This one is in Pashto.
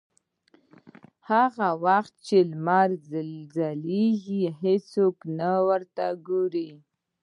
هغه وخت چې لمر ځلېږي هېڅوک نه ورته ګوري.